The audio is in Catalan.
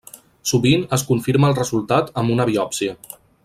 Sovint es confirma el resultat amb una biòpsia.